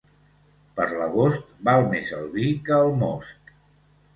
Per l'agost, val més el vi que el most.